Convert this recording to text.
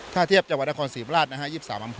ถ้าเทียบจังหวัดละครสีพลาส๒๓อำเภอ